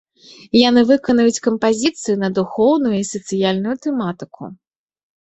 Яны выканаюць кампазіцыі на духоўную і сацыяльную тэматыку.